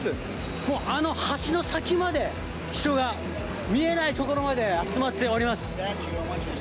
もうあの橋の先まで人が、見えない所まで集まっております。